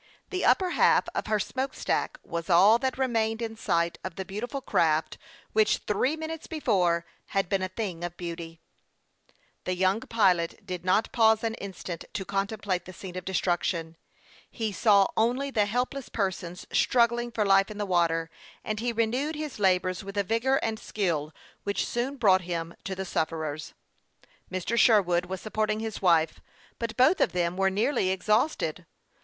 The upper half of her smoke stack was all that remained in sight of the beautiful craft which three minutes before had been a thing of beauty on the waves. The young pilot did not pause an iostant to con template the scene of destruction. He saw only the helpless persons struggling for life in the water, and he renewed his labors with a vigor and skill which soon brought him to the sufferers. Mr. Sherwood was supporting his wife ; but both of them were nearly exhausted.